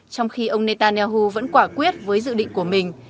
trong khi ông netanyahu vẫn quả quyết với dự định của mình